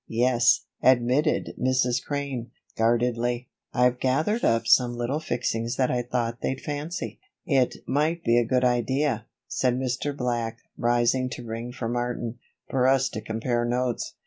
"Yes," admitted Mrs. Crane, guardedly, "I've gathered up some little fixings that I thought they'd fancy." "It might be a good idea," said Mr. Black, rising to ring for Martin, "for us to compare notes.